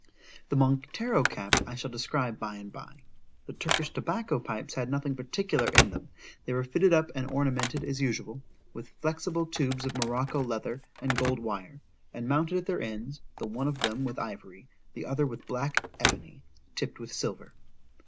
The Montero cap I shall describe by and bye.—The Turkish tobacco pipes had nothing particular in them, they were fitted up and ornamented as usual, with flexible tubes of Morocco leather and gold wire, and mounted at their ends, the one of them with ivory,—the other with black ebony, tipp'd with silver.